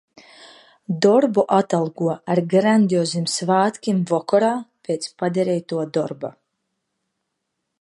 Darbu atalgoja ar grandioziem svētkiem vakarā, pēc padarītā darba.